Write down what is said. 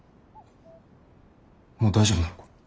もう大丈夫なのか？